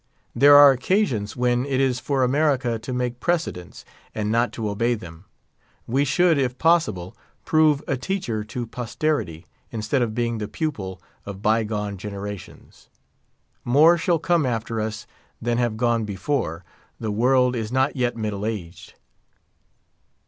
There are occasions when it is for America to make precedents, and not to obey them. We should, if possible, prove a teacher to posterity, instead of being the pupil of by gone generations. More shall come after us than have gone before; the world is not yet middle aged.